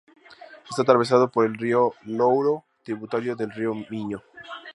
Está atravesado por el río Louro, tributario del río Miño.